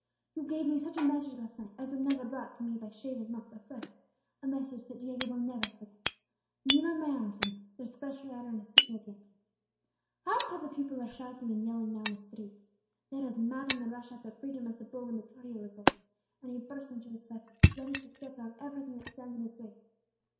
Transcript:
"You gave me such a message last night as was never brought to me by shaven monk or friar, a message that Diego will never forget. Lean on my arm, señor; there's fresher air and a seat near the entrance. Hark! how the people are shouting and yelling now in the streets! They are as mad in their rush after freedom as the bull when the toril is opened, and he bursts into the circus, ready to tear down everything that stands in his way!